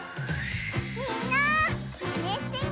みんなマネしてみてね！